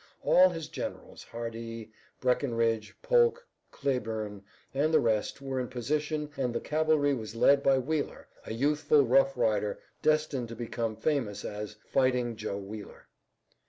All his generals, Hardee, Breckinridge, Polk, Cleburne and the rest were in position and the cavalry was led by Wheeler, a youthful rough rider, destined to become famous as Fighting Joe Wheeler.